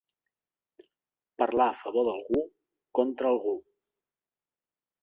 Parlar a favor d'algú, contra algú.